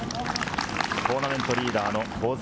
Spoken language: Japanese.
トーナメントリーダーの香妻